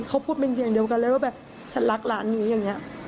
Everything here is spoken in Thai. เขาพูดเป็นเสียงเดียวกันเลยว่าแบบฉันรักร้านนี้อย่างนี้